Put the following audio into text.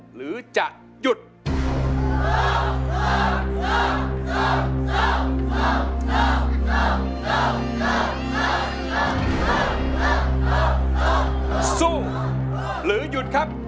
หรือยุดครับ